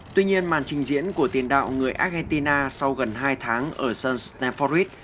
tuy nhiên màn trình diễn của tiền đạo người argentina sau gần hai tháng ở sân stamford